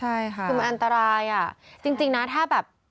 ใช่ค่ะคือมันอันตรายอ่ะจริงนะถ้าแบบ